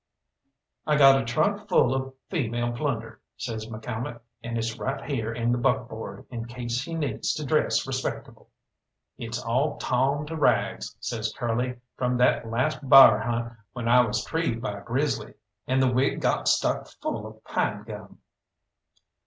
"I got a trunk full of female plunder," says McCalmont, "and it's right here in the buckboard, in case he needs to dress respectable." "It's all tawn to rags," said Curly, "from that last b'ar hunt when I was treed by a grizzly. And the wig got stuck full of pine gum."